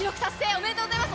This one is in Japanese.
おめでとうございます！